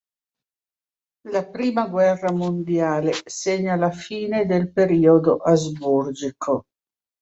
La prima guerra mondiale segna la fine del periodo asburgico.